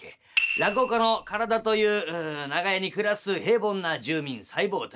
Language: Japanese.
落語家の体という長屋に暮らす平凡な住民細胞たち。